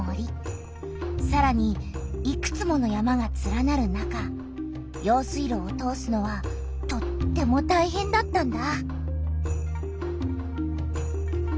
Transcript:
さらにいくつもの山がつらなる中用水路を通すのはとってもたいへんだったんだ。